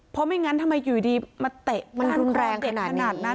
เพราะไม่งั้นทำไมอยู่ดีมาเตะมันรุนแรงเด็ดขนาดนั้น